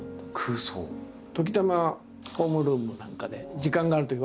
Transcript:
時たまホームルームなんかで時間があるとき